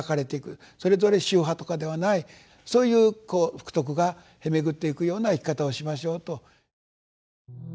それぞれ宗派とかではないそういう福徳が経巡っていくような生き方をしましょうと。